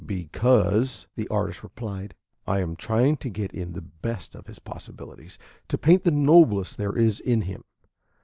"Because," the artist replied, "I am trying to get in the best of his possibilities; to paint the noblest there is in him.